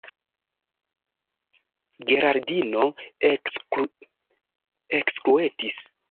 Geraldino ekskuetis lian brakon kaj diris: